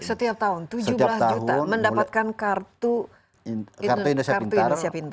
setiap tahun tujuh belas juta mendapatkan kartu indonesia pintar